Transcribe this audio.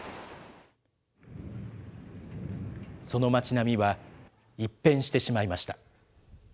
その町並みは一変してしまいました。